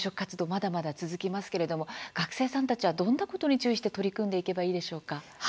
まだまだ続きますけれども学生さんたちは、どんなことに注意して取り組んでいけばいいでしょうか？